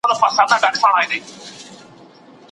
ژوند لنډ دی نو په نېکۍ یې تېر کړئ.